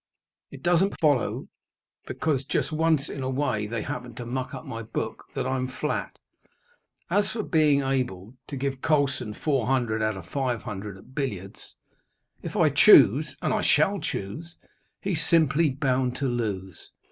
It doesn't follow because, just once in a way, they happened to muck up my book, that I'm a flat. As for being able to give Colson four hundred out of five hundred at billiards, if I choose, and I shall choose, he's simply bound to lose.